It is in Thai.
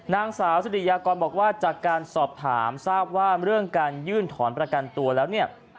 นางสาวสิริยากรบอกว่าจากการสอบถามทราบว่าเรื่องการยื่นถอนประกันตัวแล้วเนี่ย